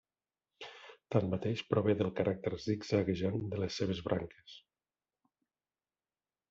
Tanmateix prové del caràcter zigzaguejant de les seves branques.